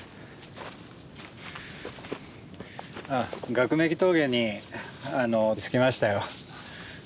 岳滅鬼峠に着きましたよ。